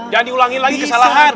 jangan diulangi lagi kesalahan